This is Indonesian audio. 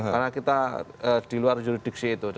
karena kita di luar juridiksi itu